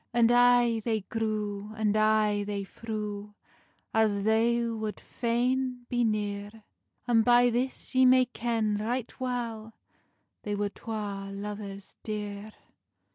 And ay they grew, and ay they threw, As they wad faine be neare; And by this ye may ken right weil They were twa luvers deare.